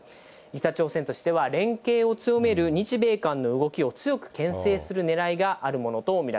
北朝鮮としては、連携を強める日米韓の動きを強くけん制するねらいがあるものと見